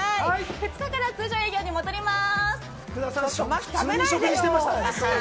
２日から通常営業に戻ります。